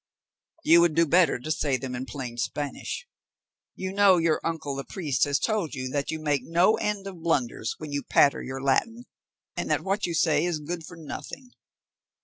"You would do better to say them in plain Spanish; you know your uncle the priest has told you that you make no end of blunders when you patter your Latin, and that what you say is good for nothing."